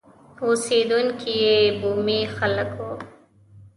اوسېدونکي یې بومي خلک وو.